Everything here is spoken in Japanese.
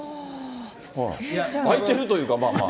空いてるというか、まあまあ。